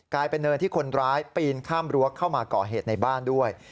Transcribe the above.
เนินที่คนร้ายปีนข้ามรั้วเข้ามาก่อเหตุในบ้านด้วย